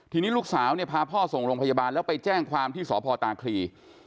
ทีนี้ลูกสาวเนี่ยพาพ่อส่งโรงพยาบาลแล้วไปแจ้งความที่สพตาคลี